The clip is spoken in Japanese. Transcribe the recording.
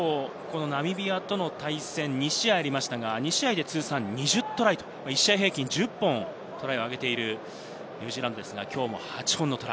過去、ナミビアとの対戦２試合がありましたが、２試合で通算２０トライ、１試合平均１０本のトライを挙げているニュージーランドです。